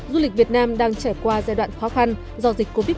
du lịch việt nam đang trải qua giai đoạn khó khăn do dịch covid một mươi chín